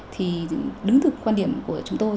thì đứng từ quan điểm của chúng tôi